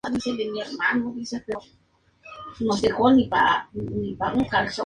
En su pelo se esconde la silueta de Neruda, representando su relación secreta.